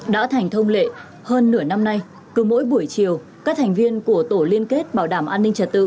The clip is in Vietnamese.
đã thành thông lệ hơn nửa năm nay cứ mỗi buổi chiều các thành viên của tổ liên kết bảo đảm an ninh trật tự